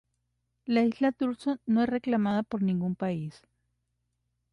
La isla Thurston no es reclamada por ningún país.